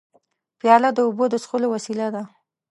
پیاله د اوبو د څښلو وسیله ده.